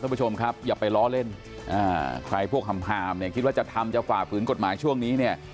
คุณผู้ชมครับอย่าไปล้อเล่นใครพวกหามเนี่ยคิดว่าจะทำจะฝ่าฝืนกฎหมายช่วงนี้เนี่ย